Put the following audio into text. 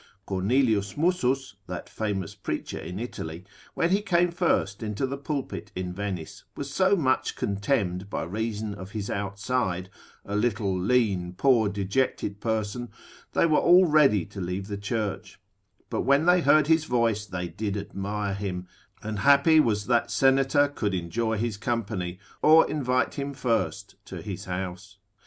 Cornelius Mussus, that famous preacher in Italy, when he came first into the pulpit in Venice, was so much contemned by reason of his outside, a little lean, poor, dejected person, they were all ready to leave the church; but when they heard his voice they did admire him, and happy was that senator could enjoy his company, or invite him first to his house.